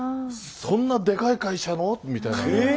そんなでかい会社の？みたいなね。